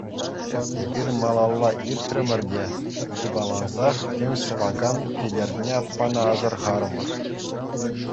Эпир малалла иртрӗмӗр те хыпалансах тем ҫӑвакан Кӗтерне аппана асӑрхарӑмӑр.